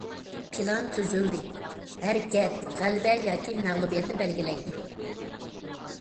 پىلان تۈزۈلدى، ھەرىكەت غەلىبە ياكى مەغلۇبىيەتنى بەلگىلەيدۇ.